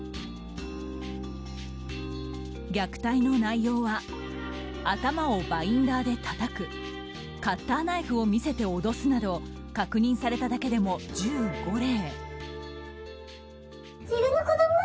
虐待の内容は頭をバインダーでたたくカッターナイフを見せて脅すなど確認されただけでも１５例。